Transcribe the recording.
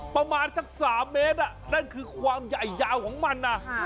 ประมาณสัก๓เมตรนั่นคือความใหญ่ยาวของมันนะ